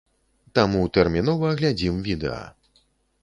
Таму тэрмінова глядзім відэа!